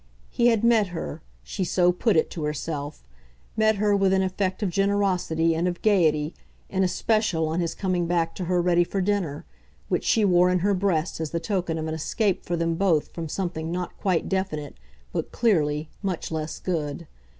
He had "met" her she so put it to herself; met her with an effect of generosity and of gaiety, in especial, on his coming back to her ready for dinner, which she wore in her breast as the token of an escape for them both from something not quite definite, but clearly, much less good.